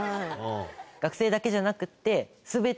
学生だけじゃなくって。